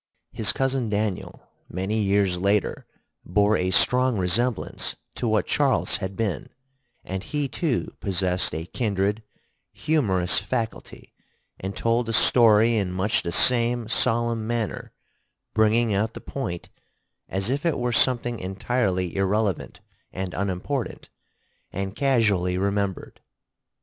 His cousin Daniel many years later bore a strong resemblance to what Charles had been, and he too possessed a kindred humorous faculty and told a story in much the same solemn manner, bringing out the point as if it were something entirely irrelevant and unimportant and casually remembered.